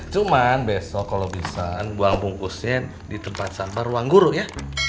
cuman besok kalau bisa buang bungkusnya di tempat sampah ruang guru ya